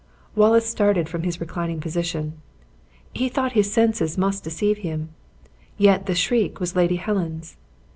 Wallace started from his reclining position. He thought his senses must deceive him and yet the shriek was Lady Helen's.